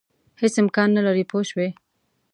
هېڅ امکان نه لري پوه شوې!.